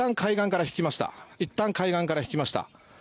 いったん、海岸から引きました。